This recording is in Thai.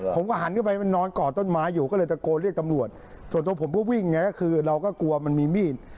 ผมก็หันเข้าไปมันนอนก่อต้นไม้อยู่ก็เลยตะโกนเรียกตำรวจส่วนตัวผมก็วิ่งไงก็คือเราก็กลัวมันมีมีด